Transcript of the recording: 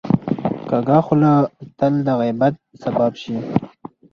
کوږه خوله تل د غیبت سبب شي